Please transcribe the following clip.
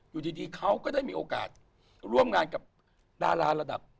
อยู่ดีเขาก็ได้มีโอกาสร่วมงานกับดาราระดับ